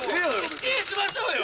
・否定しましょうよ！